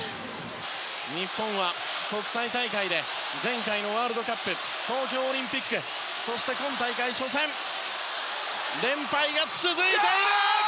日本は国際大会で前回のワールドカップ東京オリンピックそして今大会初戦連敗が続いている。